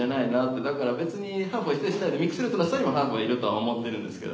だから別にハーフを否定しないでミックスルーツの下にもハーフはいると思ってるんですけど。